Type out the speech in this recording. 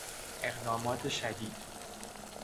اقدامات شدید